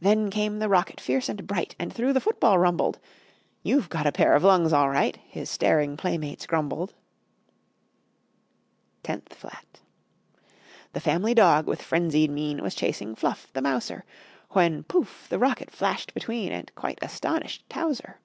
Then came the rocket, fierce and bright, And through the football rumbled. "You've got a pair of lungs, all right!" His staring playmates grumbled. [Illustration: NINTH FLAT] TENTH FLAT The family dog, with frenzied mien, Was chasing Fluff, the mouser, When, poof! the rocket flashed between, And quite astonished Towzer.